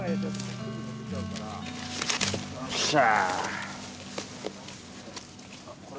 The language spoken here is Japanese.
よっしゃあ！